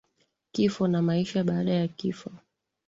Kifo na maisha baada ya kifo